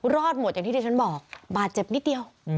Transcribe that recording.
รอดหมดอย่างที่ที่ฉันบอกบาดเจ็บนิดเดียว